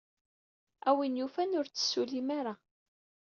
A win yufan, ur tettsullim ara.